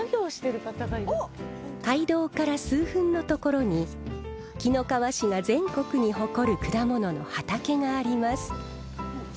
街道から数分の所に紀の川市が全国に誇る果物の畑があります。